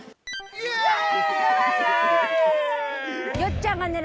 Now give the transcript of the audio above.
イエイ！